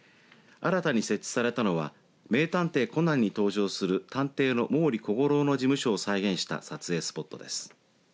新たに設置されたのは名探偵コナンに登場する探偵の毛利小五郎の事務所を再現した撮影スポットです。